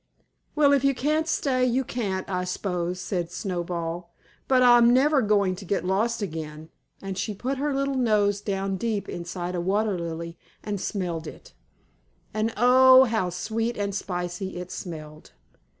"Well, if you can't stay you can't, I s'pose," said Snowball; "but I'm never going to get lost again," and she put her little nose down deep inside a water lily and smelled it, and oh, how sweet and spicy it smelled!